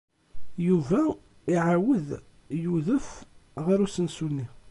Yuba iɛawed yudef ɣer usensu-nni.